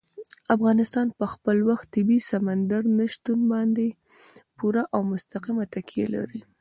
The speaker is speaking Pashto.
افغانستان په خپل طبیعي سمندر نه شتون باندې پوره او مستقیمه تکیه لري.